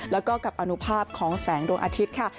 แล้วก็กับอนุภาพของแสงดวงอาทิตย์ค่ะ